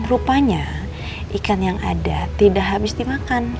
rupanya ikan yang ada tidak habis dimakan